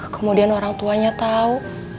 kemudian orang tuanya tau